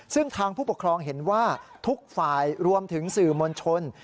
ซึ่งทางผู้ปกครองเห็นว่าทุกฝ่ายรวมถึงสื่อมวลชน